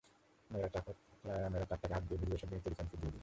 মেয়েরা চাকটাকে হাত দিয়ে ঘুরিয়ে এসব জিনিস তৈরি করেন খুব ধীরে ধীরে।